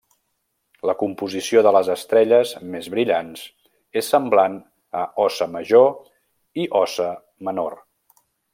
La composició de les estrelles més brillants és semblant a Óssa Major i Óssa Menor.